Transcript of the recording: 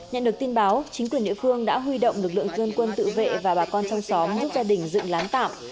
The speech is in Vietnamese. nhận được tin báo chính quyền địa phương đã huy động lực lượng dân quân tự vệ và bà con trong xóm giúp gia đình dựng lán tạm